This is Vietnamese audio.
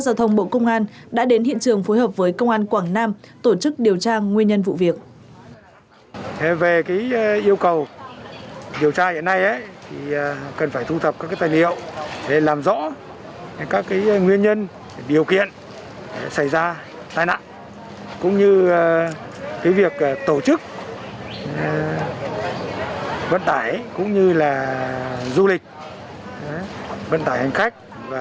giao thông bộ công an đã đến hiện trường phối hợp với công an quảng nam tổ chức điều tra nguyên nhân vụ việc